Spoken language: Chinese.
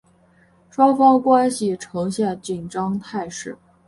双方关系呈现紧张态势。